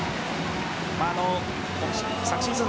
昨シーズン